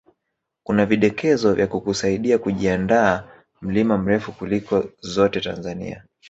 kuna vidokezo vya kukusaidia kujiandaa mlima mrefu kuliko zote Tanzania